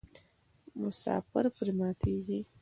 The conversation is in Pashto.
مسافر پرې ماتیږي.